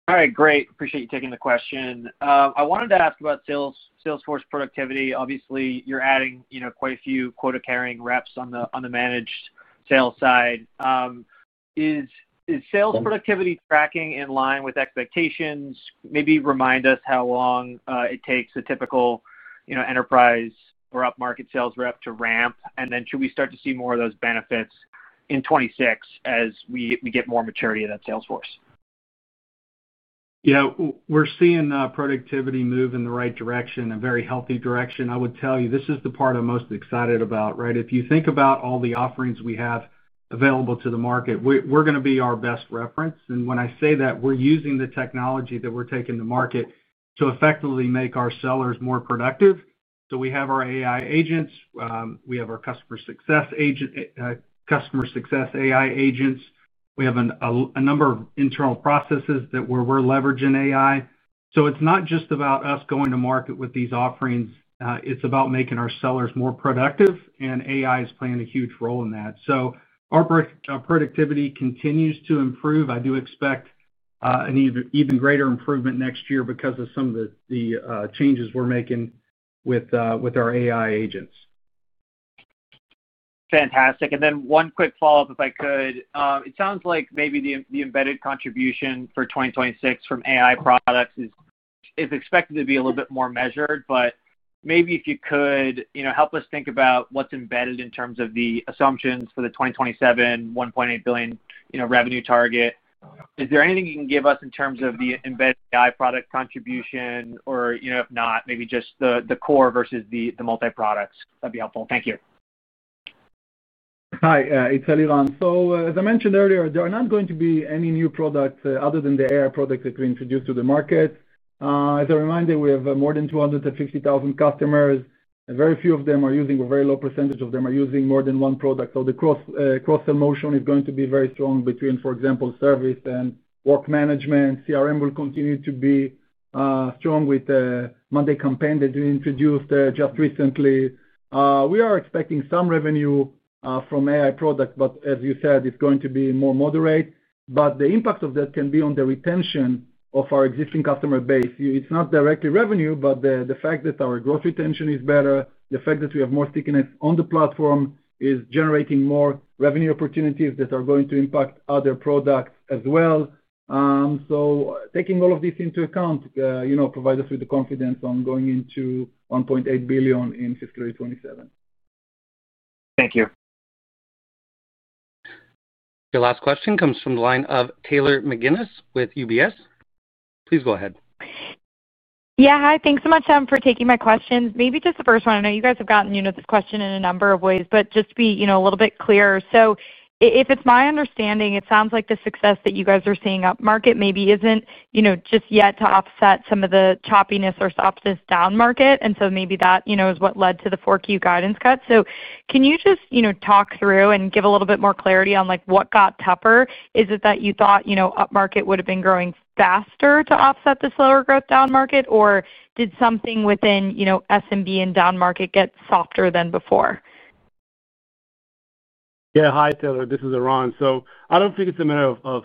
All right. Great. Appreciate you taking the question. I wanted to ask about Salesforce productivity. Obviously, you're adding quite a few quota-carrying reps on the managed sales side. Is sales productivity tracking in line with expectations? Maybe remind us how long it takes a typical enterprise or up-market sales rep to ramp, and then should we start to see more of those benefits in 2026 as we get more maturity of that Salesforce? Yeah. We're seeing productivity move in the right direction, a very healthy direction. I would tell you this is the part I'm most excited about, right? If you think about all the offerings we have available to the market, we're going to be our best reference. When I say that, we're using the technology that we're taking to market to effectively make our sellers more productive. We have our AI agents. We have our customer success AI agents. We have a number of internal processes where we're leveraging AI. It's not just about us going to market with these offerings. It's about making our sellers more productive, and AI is playing a huge role in that. Our productivity continues to improve. I do expect an even greater improvement next year because of some of the changes we're making with our AI agents. Fantastic. One quick follow-up, if I could. It sounds like maybe the embedded contribution for 2026 from AI products is expected to be a little bit more measured. If you could help us think about what's embedded in terms of the assumptions for the 2027 $1.8 billion revenue target, is there anything you can give us in terms of the embedded AI product contribution? If not, maybe just the core versus the multi-products. That'd be helpful. Thank you. Hi. It's Eliran. As I mentioned earlier, there are not going to be any new products other than the AI products that we introduced to the market. As a reminder, we have more than 250,000 customers. Very few of them are using—a very low percentage of them are using more than one product. The cross-sale motion is going to be very strong between, for example, service and work management. CRM will continue to be strong with the Monday campaign that we introduced just recently. We are expecting some revenue from AI products, but as you said, it is going to be more moderate. The impact of that can be on the retention of our existing customer base. It's not directly revenue, but the fact that our gross retention is better, the fact that we have more stickiness on the platform is generating more revenue opportunities that are going to impact other products as well. Taking all of this into account provides us with the confidence on going into $1.8 billion in fiscal year 2027. Thank you. Your last question comes from the line of Taylor McGinnis with UBS. Please go ahead. Yeah. Hi. Thanks so much, Tom, for taking my questions. Maybe just the first one. I know you guys have gotten this question in a number of ways, but just to be a little bit clearer. If it's my understanding, it sounds like the success that you guys are seeing up market maybe isn't just yet to offset some of the choppiness or softness down market. Maybe that is what led to the Q4 guidance cut. Can you just talk through and give a little bit more clarity on what got tougher? Is it that you thought up market would have been growing faster to offset the slower growth down market, or did something within SMB and down market get softer than before? Yeah. Hi, Taylor. This is Eliran. I do not think it is a matter of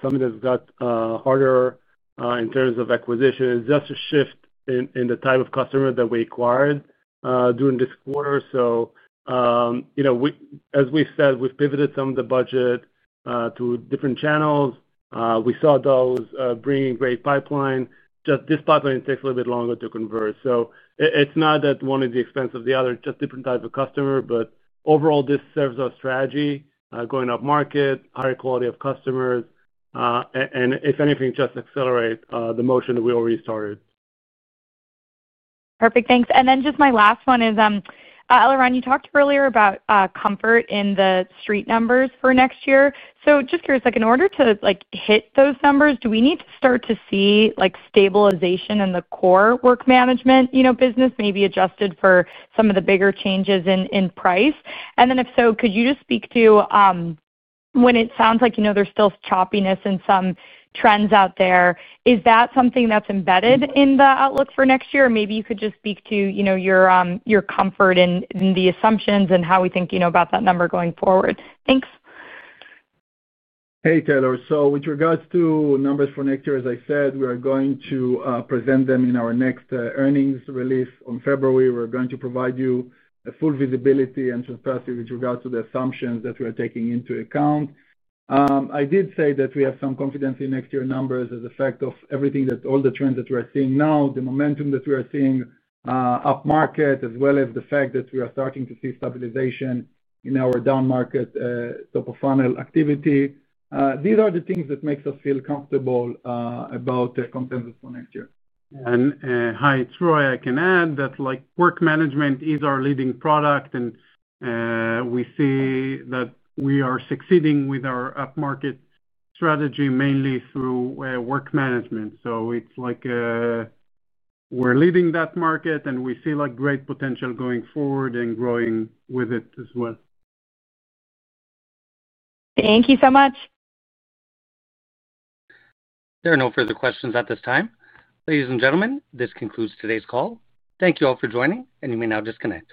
something that has got harder in terms of acquisition. It is just a shift in the type of customer that we acquired during this quarter. As we said, we have pivoted some of the budget to different channels. We saw those bringing great pipeline. This pipeline takes a little bit longer to convert. It is not that one is at the expense of the other, just different type of customer. Overall, this serves our strategy: going up market, higher quality of customers, and if anything, just accelerates the motion that we already started. Perfect. Thanks. Just my last one is, Eliran, you talked earlier about comfort in the street numbers for next year. Just curious, in order to hit those numbers, do we need to start to see stabilization in the core work management business, maybe adjusted for some of the bigger changes in price? If so, could you just speak to when it sounds like there's still choppiness in some trends out there, is that something that's embedded in the outlook for next year? Maybe you could just speak to your comfort in the assumptions and how we think about that number going forward. Thanks. Hey, Taylor. With regards to numbers for next year, as I said, we are going to present them in our next earnings release in February. We're going to provide you full visibility and transparency with regards to the assumptions that we are taking into account. I did say that we have some confidence in next year numbers as a fact of everything that all the trends that we are seeing now, the momentum that we are seeing up market, as well as the fact that we are starting to see stabilization in our down market top of funnel activity. These are the things that make us feel comfortable about the content for next year. Hi, Roy. I can add that Work Management is our leading product, and we see that we are succeeding with our up market strategy mainly through Work Management. It's like we're leading that market, and we see great potential going forward and growing with it as well. Thank you so much. There are no further questions at this time. Ladies and gentlemen, this concludes today's call. Thank you all for joining, and you may now disconnect.